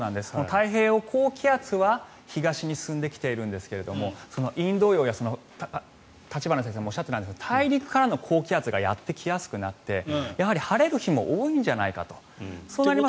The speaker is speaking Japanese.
太平洋高気圧は東に進んできているんですがインド洋や立花先生もおっしゃっていたんですが太平洋からの高気圧がやってきやすくなってやはり晴れる日も多いんじゃないかと。